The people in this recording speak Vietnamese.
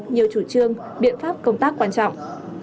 nhiều chủ trương biện pháp công tác quan trọng